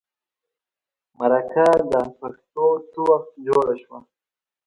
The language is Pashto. مرکه د پښتو څه وخت جوړه شوه.